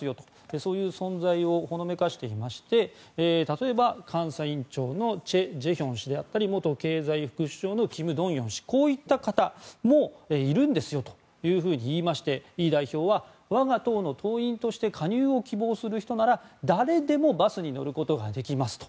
そういう存在をほのめかしていまして例えば監査院長のチェ・ジェヒョン氏であったり元経済副総理のキム・ドンヨン氏といった方もいるんですよと言っていましてイ代表は我が党の党員として加入を希望する人なら誰でもバスに乗ることができますと。